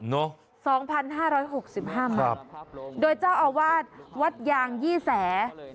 เนาะ๒๕๖๕มันครับโดยเจ้าอาวาสวัดยางยี่แส